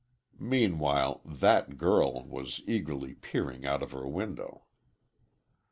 Meanwhile "that girl" was eagerly peering out of her window.